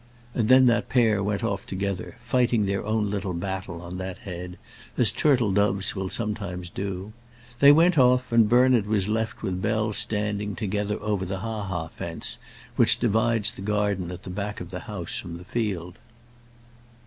And then that pair went off together, fighting their own little battle on that head, as turtle doves will sometimes do. They went off, and Bernard was left with Bell standing together over the ha ha fence which divides the garden at the back of the house from the field.